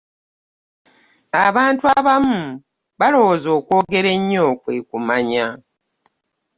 Abantu abamu balowooza okwogera ennyo kwe kumanya.